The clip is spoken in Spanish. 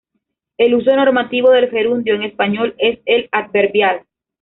El uso normativo del gerundio en español es el adverbial.